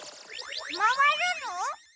まわるの？